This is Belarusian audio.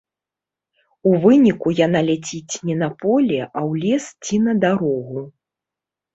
У выніку яна ляціць не на поле, а ў лес ці на дарогу.